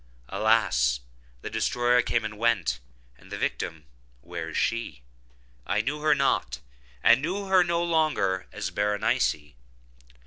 Alas! the destroyer came and went!—and the victim—where is she? I knew her not—or knew her no longer as Berenice.